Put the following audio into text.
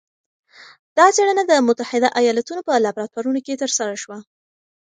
دا څېړنه د متحده ایالتونو په لابراتورونو کې ترسره شوه.